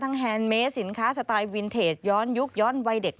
แฮนดเมสสินค้าสไตล์วินเทจย้อนยุคย้อนวัยเด็ก